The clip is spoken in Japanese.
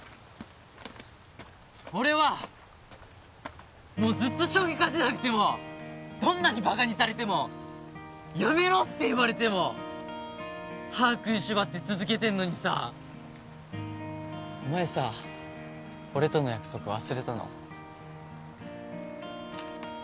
俺はもうずっと将棋勝てなくてもどんなにバカにされてもやめろって言われても歯食いしばって続けてんのにさあお前さ俺との約束忘れたの？